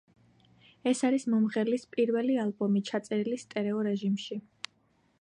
ეს არის მომღერლის პირველი ალბომი, ჩაწერილი სტერეო რეჟიმში.